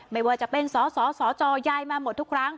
ไม่ว่าจะเป็นสสจยายมาหมดทุกครั้ง